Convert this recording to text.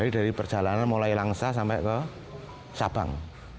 dari perjalanan mulai langsa sampai ke sabang